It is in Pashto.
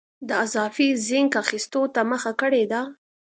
د اضافي زېنک اخیستو ته مخه کړې ده.